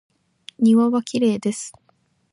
庭はきれいです。